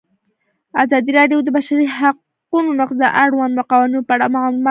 ازادي راډیو د د بشري حقونو نقض د اړونده قوانینو په اړه معلومات ورکړي.